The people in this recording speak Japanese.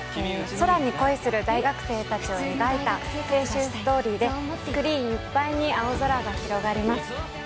空に恋する大学生たちを描いた青春ストーリーで、スクリーンいっぱいに青空が広がります。